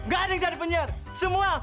gak ada yang jadi penyar semua bubar